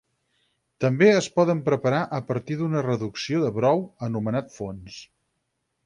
També es poden preparar a partir d'una reducció de brou, anomenat fons.